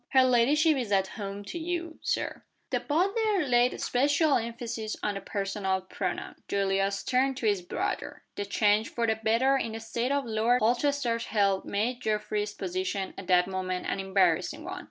"Her ladyship is at home to you,, Sir."' The butler laid a special emphasis on the personal pronoun. Julius turned to his brother. The change for the better in the state of Lord Holchester's health made Geoffrey's position, at that moment, an embarrassing one.